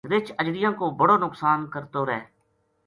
رچھ اجڑیاں کو بڑو نقصان کرتو رہ